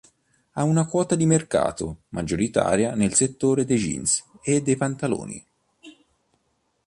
Ha una quota di mercato maggioritaria nel settore dei jeans e dei pantaloni.